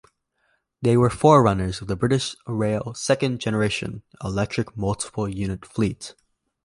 They were forerunners of the British Rail "Second Generation" electric multiple unit fleet.